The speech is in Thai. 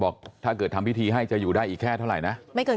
บอกถ้าเกิดทำพิธีให้จะอยู่ได้อีกแค่เท่าไหร่นะ